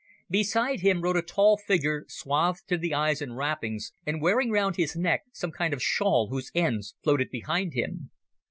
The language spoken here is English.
Beside him rode a tall figure swathed to the eyes in wrappings, and wearing round his neck some kind of shawl whose ends floated behind him.